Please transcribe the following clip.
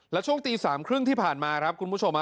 แล้วช่วงตีสามครึ่งที่ผ่านมาครับคุณผู้ชม